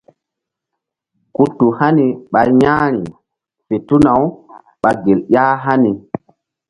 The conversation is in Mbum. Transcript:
Ku tu hani ɓa ƴa̧h ri fe tuna-u ɓa gel ƴah hani.